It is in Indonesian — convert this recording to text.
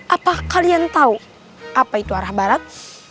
apa kalian tahu apa itu arah barat